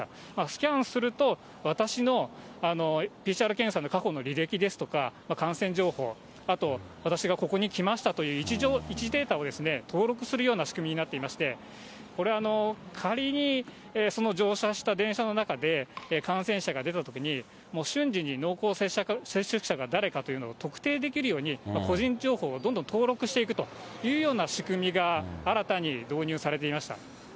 スキャンすると、私のＰＣＲ検査の過去の履歴ですとか、感染情報、あと、私がここに来ましたという位置データを登録するような仕組みになっていまして、これ、仮にその乗車した電車の中で、感染者が出たときに、瞬時に濃厚接触者が誰かというのを特定できるように、個人情報をどんどん登録していくというような仕組みが新たに導入されていました。